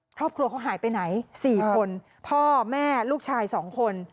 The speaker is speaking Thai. ครอบครัวเขาหายไปไหน๔คนพ่อแม่ลูกชาย๒คน